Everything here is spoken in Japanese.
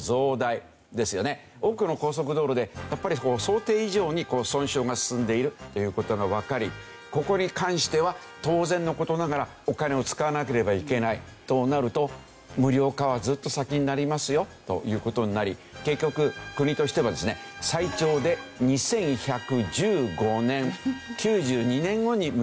多くの高速道路でやっぱり想定以上に損傷が進んでいるという事がわかりここに関しては当然の事ながらお金を使わなければいけないとなると無料化はずっと先になりますよという事になり結局国としてはですね最長で２１１５年９２年後に無料になります